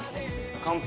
乾杯！